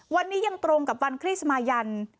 วันนี้ยังตรงกับวันคริสมายัน